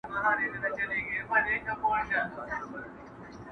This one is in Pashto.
څومره دي لا وګالو زخمونه د پېړیو٫